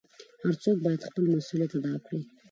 هر څوک بايد خپل مسؤليت ادا کړي .